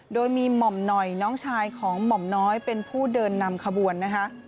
โดยมีหม่อมหน่อยน้องชายของหม่อมน้อยเป็นผู้เดินนำขบวนนะคะ